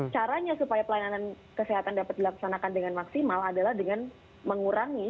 caranya supaya pelayanan kesehatan dapat dilaksanakan dengan maksimal adalah dengan mengurangi